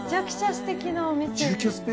すてきなお店。